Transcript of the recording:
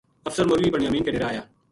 افسر مولوی بنیامین کے ڈیرے آیا